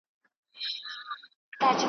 په خوښۍ د مدرسې پر لور روان وه `